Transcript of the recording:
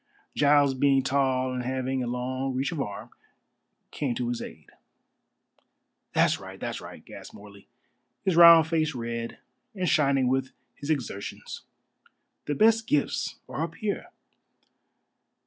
Giles being tall and having a long reach of arm, came to his aid. "That's right, that's right," gasped Morley, his round face red and shining with his exertions, "the best gifts are up here."